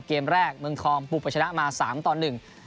เกมแรกเมืองทองปลูกประชนะมา๓ตอน๑